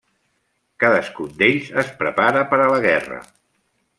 Cadascun d'ells es prepara per a la guerra.